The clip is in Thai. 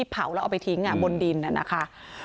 ไปทิ้งอ่ะบนดินนั่นนะคะ